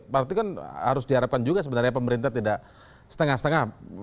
berarti kan harus diharapkan juga sebenarnya pemerintah tidak setengah setengah